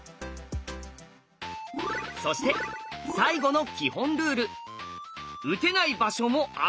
そして最後の基本ルール